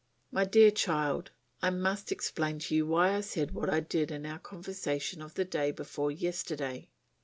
My dear child, I must explain to you why I said what I did in our conversation of the day before yesterday.